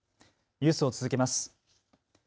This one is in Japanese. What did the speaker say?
ニュースを続けます。